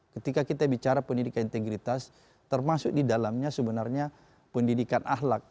ketika kita bicara pendidikan integritas termasuk di dalamnya sebenarnya pendidikan ahlak